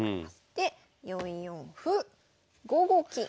で４四歩５五金。